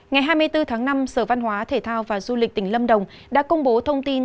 ngày hai mươi bốn tháng năm sở văn hóa thể thao và du lịch tỉnh lâm đồng đã công bố thông tin